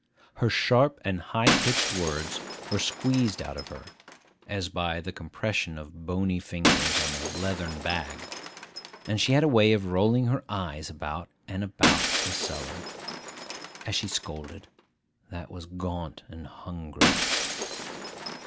Her sharp and high pitched words were squeezed out of her, as by the compression of bony fingers on a leathern bag; and she had a way of rolling her eyes about and about the cellar, as she scolded, that was gaunt and hungry.